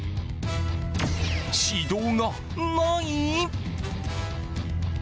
指導がない？